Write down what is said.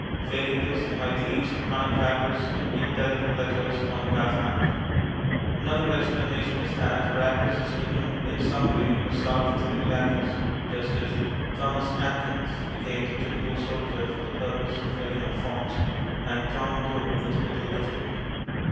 Failing this, they might leave some kind of address in indelible letters on the bath mat. Another explanation is that our address has become in some way a sort of typical address, just as "Thomas Atkins" became the typical soldier for the purpose of filling up forms, and "John Doe" the typical litigant.